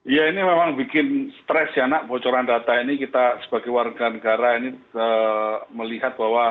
ya ini memang bikin stres ya nak bocoran data ini kita sebagai warga negara ini melihat bahwa